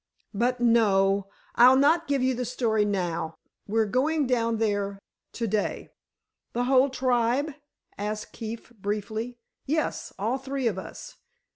But, no—I'll not give you the story now. We're going down there—to day." "The whole tribe?" asked Keefe, briefly. "Yes; all three of us.